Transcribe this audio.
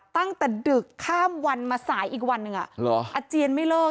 ตั้งแต่ดึกข้ามวันมาสายอีกวันหนึ่งอาเจียนไม่เลิก